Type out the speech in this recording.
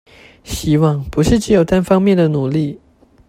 希望不是只有單方面的努力